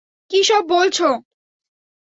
কী সব বলছো?